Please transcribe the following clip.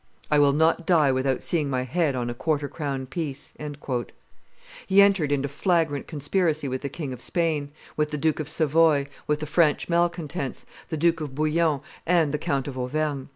"I will not die without seeing my head on a quarter crown piece." He entered into flagrant conspiracy with the King of Spain, with the Duke of Savoy, with the French malcontents, the Duke of Bouillon, and the Count of Auvergne.